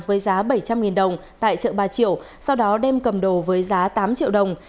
với giá bảy trăm linh đồng tại chợ bà triệu sau đó đem cầm đồ với giá tám triệu đồng